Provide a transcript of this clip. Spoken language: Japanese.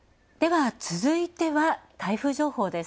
続いては、台風情報です。